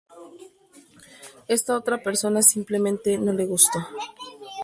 Esta otra persona simplemente no le gustó".